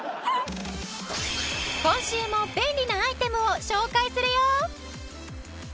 今週も便利なアイテムを紹介するよ！